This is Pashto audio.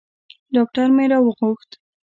ډاکتر مې راوغوښت.